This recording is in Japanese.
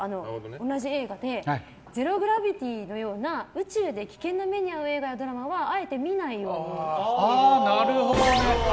同じ映画で「ゼロ・グラビティ」のような宇宙で危険な目に遭う映画やドラマはあえて見ないようにしてる。